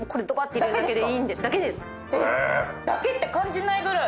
だけって感じないぐらい。